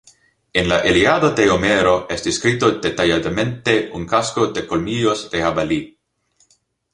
En la "Ilíada" de Homero es descrito detalladamente un casco de colmillos de jabalí.